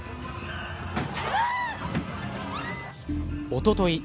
おととい